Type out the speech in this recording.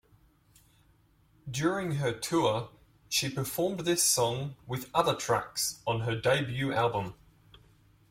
During her tour, she performed this song with other tracks on her debut album.